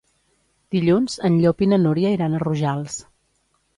Dilluns en Llop i na Núria iran a Rojals.